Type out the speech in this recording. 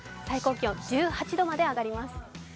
最高気温１８度まで上がります。